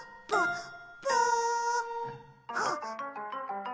あっ！